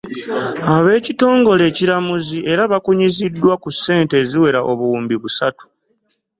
Ab'ekitongole ekiramuzi era bakunyiziddwa ku ssente eziwera obuwumbi busatu